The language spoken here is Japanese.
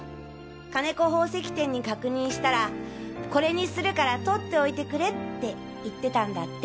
金子宝石店に確認したらこれにするからとっておいてくれって言ってたんだって。